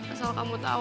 asal kamu tahu